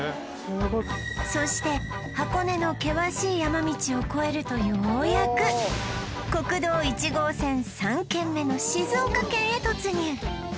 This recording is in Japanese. そして箱根の険しい山道を越えるとようやく国道１号線３県目の静岡県へ突入